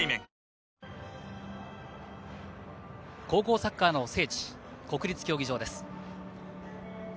高校サッカーの聖地・国立競技場です。